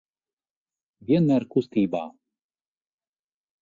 Vienmēr kustībā.